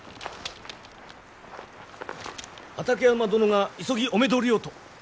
畠山殿が急ぎお目通りをと。